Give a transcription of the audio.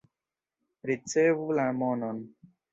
Ricevu la monon.